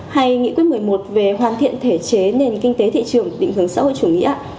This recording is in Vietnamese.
hay nghị quyết một mươi một về hoàn thiện thể chế nền kinh tế thị trường định hướng xã hội chủ nghĩa